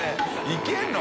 いけるの？